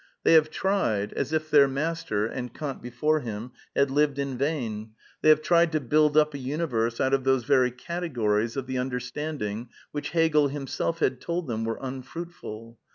They have tried — as if their master, and Kant before him, had lived in vain — they have tried to build up a universe out of those very categories ^f the under i standing which Hegel himself had told them were unf ruit ' ful.